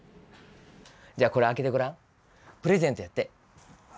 じゃあ、これ開けてごらん、プレゼントやって。